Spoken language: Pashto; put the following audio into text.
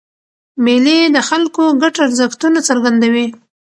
مېلې د خلکو ګډ ارزښتونه څرګندوي.